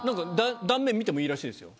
断面見てもいいらしいですよ